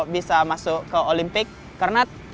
bisa masuk ke olimpik karena